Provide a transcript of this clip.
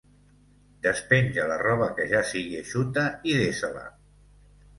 Despenja la roba que ja sigui eixuta i desa-la!